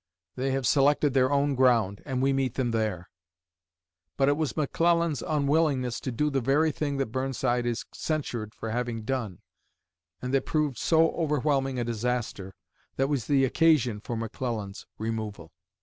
They have selected their own ground, and we meet them there." But it was McClellan's unwillingness to do the very thing that Burnside is censured for having done, and that proved so overwhelming a disaster, that was the occasion for McClellan's removal.